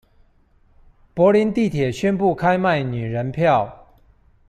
柏林地鐵宣布開賣女人票